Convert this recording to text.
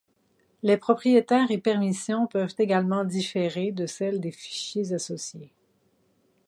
Les propriétaires et permissions peuvent également différer de celles des fichiers associés.